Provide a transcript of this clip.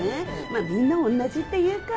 まぁみんな同じっていうか。